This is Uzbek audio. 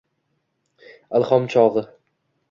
Ilhom chog’i